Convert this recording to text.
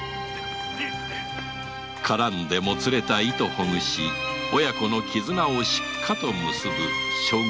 絡んでもつれた糸ほぐし親子の絆をしっかと結ぶ将軍